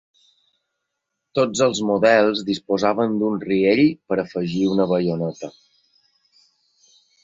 Tots els models disposaven d'un riell per afegir una baioneta.